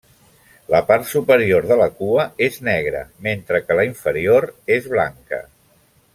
La part superior de la cua és negre, mentre que la inferior és blanca.